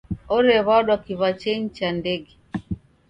Orew'adwa kiw'achenyi cha ndege.